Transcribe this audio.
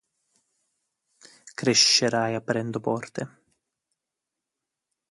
Crescerai aprendo porte